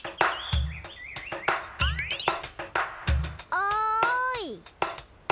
おい。